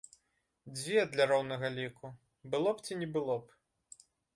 Дзве, для роўнага ліку, было б ці не было б?